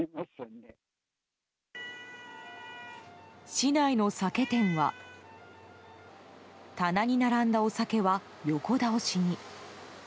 市内の酒店は棚に並んだお酒は、横倒しに。